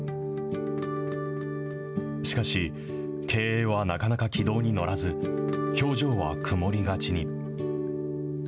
しかし、経営はなかなか軌道に乗らず、表情は曇りがちに。